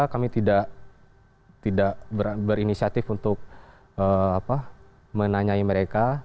kami tidak berinisiatif untuk menanyai mereka